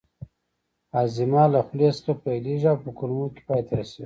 هاضمه له خولې څخه پیلیږي او په کولمو کې پای ته رسیږي